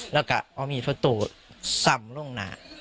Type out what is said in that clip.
และกับอามีภาษาตัวสรรค์ล่วงหนา